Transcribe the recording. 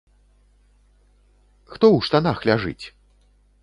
Хто ў штанах ляжыць?